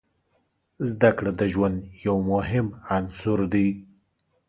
زده کړه د ژوند یو مهم عنصر دی.